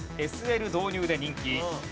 ＳＬ導入で人気。